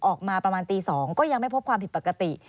ออกมาประมาณตี๒ก็ยังไม่พบความผิดปกติ